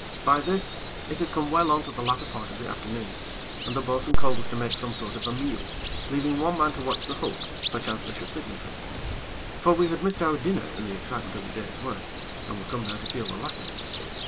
By this, it had come well on to the latter part of the afternoon, and the bo'sun called us to make some sort of a meal, leaving one man to watch the hulk, perchance they should signal to us. For we had missed our dinner in the excitement of the day's work, and were come now to feel the lack of it.